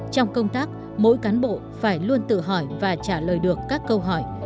trong công tác mỗi cán bộ phải luôn tự hỏi và trả lời được các câu hỏi